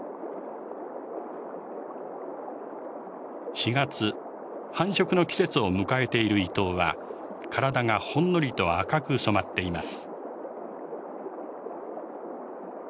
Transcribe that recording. ４月繁殖の季節を迎えているイトウは体がほんのりと赤く染まっています。